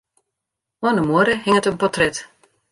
Oan 'e muorre hinget in portret.